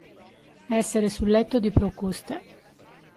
Essere sul letto di Procuste.